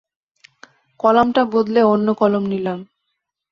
কলামটা বদলে অন্য কলম নিলাম।